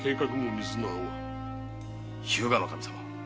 日向守様